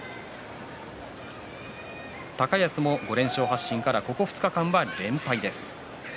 高安も５連勝発進からここ２日間は連敗です。